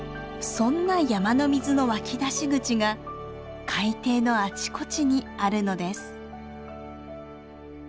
そんな山の水の湧き出し口が海底のあちこちにあるのです。